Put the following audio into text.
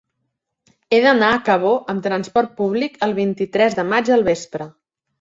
He d'anar a Cabó amb trasport públic el vint-i-tres de maig al vespre.